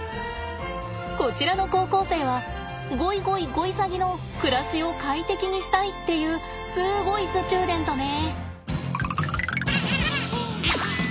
こちらの高校生はゴイゴイゴイサギの暮らしを快適にしたいっていうすごいスチューデントね。